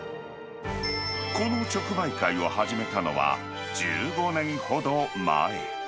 この直売会を始めたのは、１５年ほど前。